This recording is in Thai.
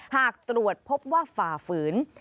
หากตรวจพบว่าฝ่าฝืน